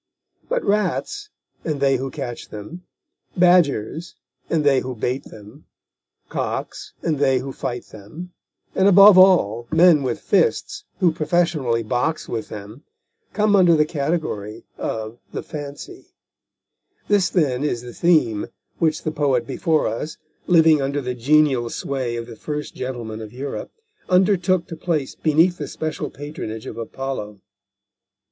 But rats, and they who catch them, badgers, and they who bait them, cocks, and they who fight them, and, above all, men with fists, who professionally box with them, come under the category of the Fancy. This, then, is the theme which the poet before us, living under the genial sway of the First Gentleman of Europe, undertook to place beneath the special patronage of Apollo.